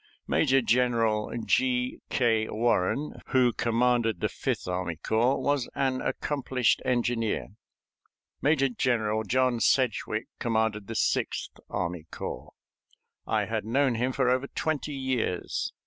Major General G. K. Warren, who commanded the Fifth Army Corps, was an accomplished engineer. Major General John Sedgwick commanded the Sixth Army Corps. I had known him for over twenty years.